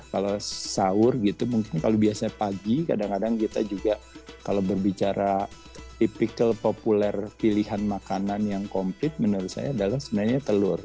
kalau sahur gitu mungkin kalau biasanya pagi kadang kadang kita juga kalau berbicara tipikal populer pilihan makanan yang komplit menurut saya adalah sebenarnya telur